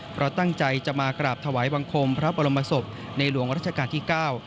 เพราะตั้งใจจะมากราบถวายบังคมพระบรมศพในหลวงรัชกาลที่เก้า